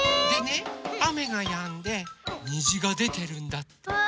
でねあめがやんでにじがでてるんだって。